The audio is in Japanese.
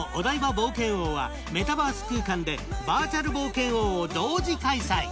冒険王はメタバース空間でバーチャル冒険王を同時開催。